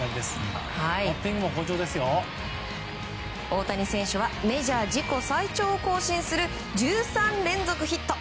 大谷選手はメジャー自己最長を更新する１３連続ヒット。